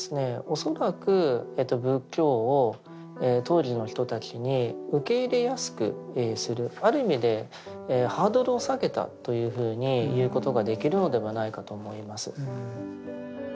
恐らく仏教を当時の人たちに受け入れやすくするある意味でハードルを下げたというふうに言うことができるのではないかと思います。